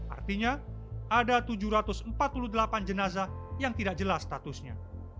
artinya ada tujuh ratus empat puluh delapan jenazah yang tidak jelas statusnya